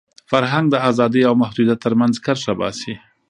فرهنګ د ازادۍ او محدودیت تر منځ کرښه باسي.